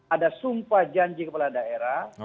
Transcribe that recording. ada sumpah janji kepala daerah